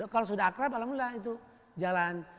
kalau sudah akrab alhamdulillah itu jalan